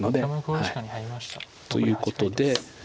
ということで。